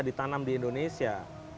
ditanam di indonesia